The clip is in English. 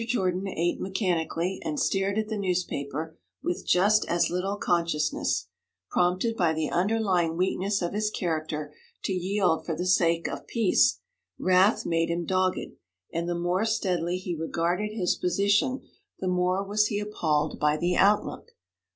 Jordan ate mechanically, and stared at the newspaper with just as little consciousness. Prompted by the underlying weakness of his character to yield for the sake of peace, wrath made him dogged, and the more steadily he regarded his position, the more was he appalled by the outlook.